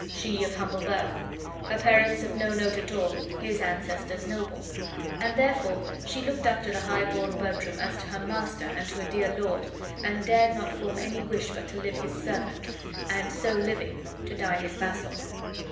She of humble birth. Her parents of no note at all. His ancestors all noble. And therefore she looked up to the high born Bertram as to her master and to her dear lord, and dared not form any wish but to live his servant, and, so living, to die his vassal.